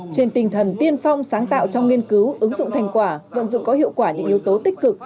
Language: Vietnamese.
trên tinh thần tiên phong sáng tạo trong nghiên cứu ứng dụng thành quả vận dụng có hiệu quả những yếu tố tích cực